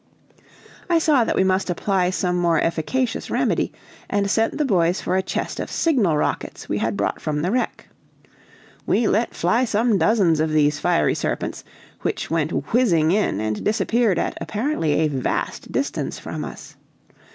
I saw that we must apply some more efficacious remedy, and sent the boys for a chest of signal rockets we had brought from the wreck. We let fly some dozens of these fiery serpents, which went whizzing in, and disappeared at apparently a vast distance from us.